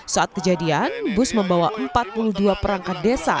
saat kejadian bus membawa empat puluh dua perangkat desa